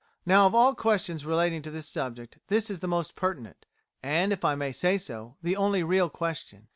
Now of all questions relating to this subject, this is the most pertinent, and, if I may say so, the only real question.